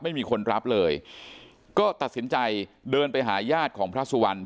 ไม่มีคนรับเลยก็ตัดสินใจเดินไปหาญาติของพระสุวรรณ